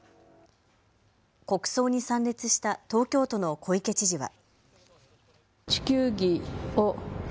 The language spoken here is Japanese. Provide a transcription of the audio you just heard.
国葬に参列した東京都の小池知事は。